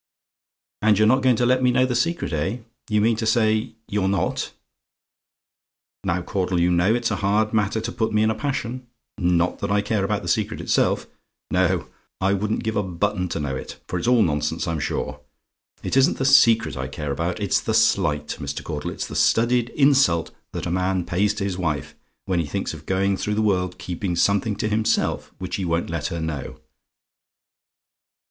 "And you're not going to let me know the secret, eh? You mean to say, you're not? Now, Caudle, you know it's a hard matter to put me in a passion not that I care about the secret itself: no, I wouldn't give a button to know it, for it's all nonsense, I'm sure. It isn't the secret I care about: it's the slight, Mr. Caudle; it's the studied insult that a man pays to his wife, when he thinks of going through the world keeping something to himself which he won't let her know.